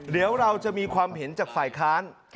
เดี๋ยวเราจะมีความเห็นจากฝ่ายค้าน